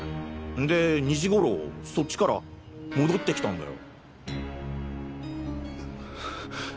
で２時頃そっちから戻って来たんだよ。